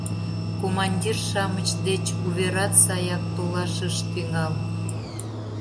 Командир-шамыч деч уверат саяк толаш ыш тӱҥал.